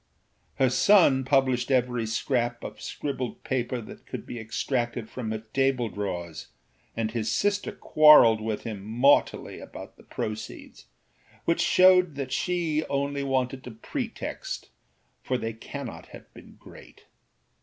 Her son published every scrap of scribbled paper that could be extracted from her table drawers, and his sister quarrelled with him mortally about the proceeds, which showed that she only wanted a pretext, for they cannot have been great.